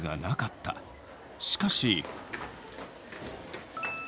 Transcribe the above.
しかし。